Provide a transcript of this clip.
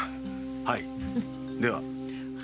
はいでは。